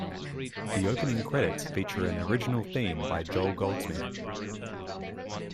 The opening credits feature an original theme by Joel Goldsmith.